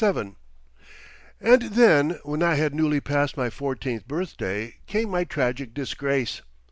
VII And then when I had newly passed my fourteenth birthday, came my tragic disgrace.